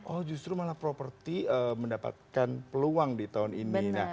oh justru malah properti mendapatkan peluang di tahun ini